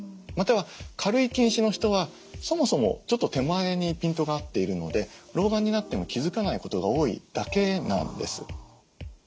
または軽い近視の人はそもそもちょっと手前にピントが合っているので老眼になっても気付かないことが多いだけなんです。